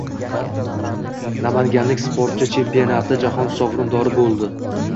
Namanganlik sportchi chempionati jahon sovrindori bo‘lding